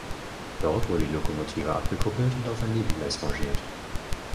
Dort wurde die Lokomotive abgekuppelt und auf ein Nebengleis rangiert.